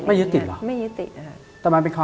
ไม่ยืดติดหรอไม่ยืดติด